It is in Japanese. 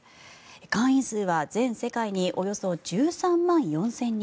会員数は全世界におよそ１３万４０００人。